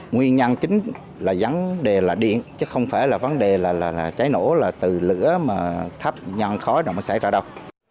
nguyên nhân chính là vấn đề là điện chứ không phải là vấn đề là cháy nổ là từ lửa mà thắp nhọn khói mà xảy ra đâu